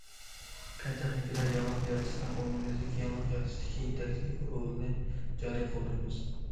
پەن- تېخنىكىدا يېڭىلىق يارىتىشنىڭ ئومۇميۈزلۈك يېڭىلىق يارىتىشتىكى يېتەكچىلىك رولىنى جارى قىلدۇرىمىز.